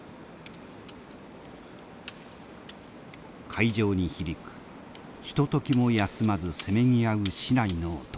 会場に響くひとときも休まずせめぎ合う竹刀の音。